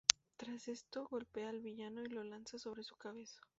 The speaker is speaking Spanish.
Tras esto golpeaba al villano y lo lanzaba sobre su cabeza.